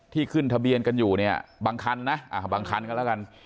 ขึ้นทะเบียนกันอยู่เนี่ยบางคันนะบางคันก็แล้วกัน